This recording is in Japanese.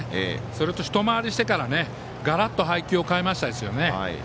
それとひと回りしてからガラッと配球を変えましたよね。